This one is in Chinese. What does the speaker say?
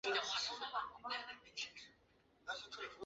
后任重庆市副市长。